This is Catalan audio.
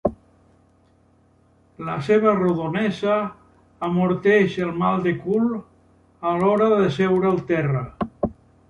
La seva rodonesa amorteix el mal de cul a l'hora de seure al terra.